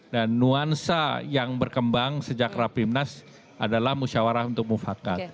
dan nuansa yang berkembang sejak rapimnas adalah musyawarah untuk mufakat